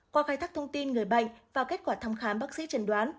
qua khai thác thông tin người bệnh và kết quả thăm khám bác sĩ trần đoán